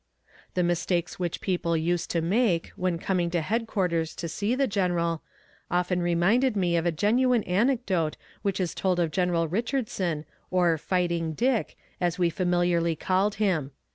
The mistakes which people used to make, when coming to headquarters to see the general, often reminded me of a genuine anecdote which is told of General Richardson, or "Fighting Dick," as we familiarly called him.